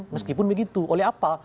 meskipun begitu oleh apa